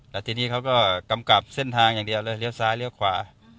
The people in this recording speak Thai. แล้วทีนี้เขาก็กำกับเส้นทางอย่างเดียวเลยเลี้ยวซ้ายเลี้ยวขวา